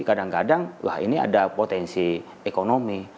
kadang kadang wah ini ada potensi ekonomi